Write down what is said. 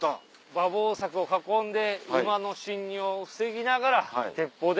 馬防柵を囲んで馬の進入を防ぎながら鉄砲で。